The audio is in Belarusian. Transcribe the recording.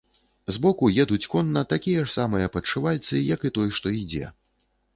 Збоку едуць конна гэтакія ж самыя падшывальцы як і той, што ідзе.